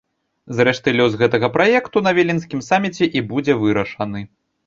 Зрэшты, лёс гэтага праекту на віленскім саміце і будзе вырашаны.